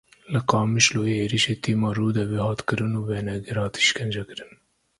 Li Qamişloyê êrişî tîma Rûdawê hat kirin û wênegir hat îşkencekirin.